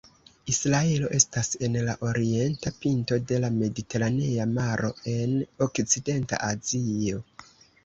Israelo estas en la orienta pinto de la Mediteranea Maro en Okcidenta Azio.